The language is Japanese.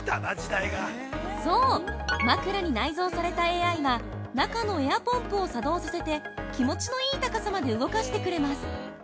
◆そう、枕に内蔵されたＡＩが中のエアポンプを作動させて気持ちのいい高さまで動かしてくれます。